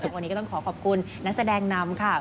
วันนี้ก็ต้องขอขอบคุณนักแสดงนำค่ะ